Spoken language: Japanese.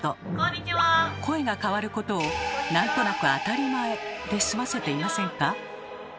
声が変わることを何となく当たり前で済ませていませんか？